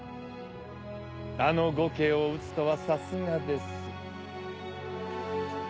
あの呉慶を討つとはさすがです。